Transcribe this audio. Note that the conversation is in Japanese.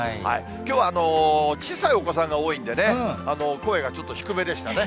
きょうは小さいお子さんが多いんでね、声がちょっと低めでしたね。